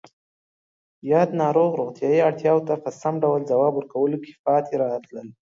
یاد ناروغ روغتیایی اړتیاوو ته په سم ډول ځواب ورکولو کې پاتې راتلل